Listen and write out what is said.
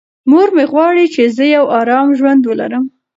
مور مې غواړي چې زه یو ارام ژوند ولرم.